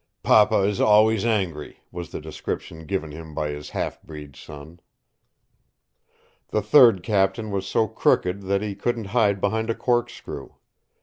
"Papa is always angry," was the description given him by his half breed son. The third captain was so crooked that he couldn't hide behind a corkscrew.